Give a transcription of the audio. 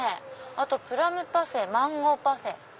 あと「プラムパフェ」「マンゴーパフェ」。